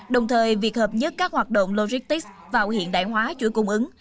đồng thời việc hợp nhất các hoạt động logistics vào hiện đại hóa chuỗi cung ứng